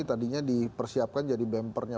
tadinya dipersiapkan jadi bempernya